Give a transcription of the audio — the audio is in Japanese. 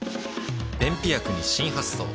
便秘薬に新発想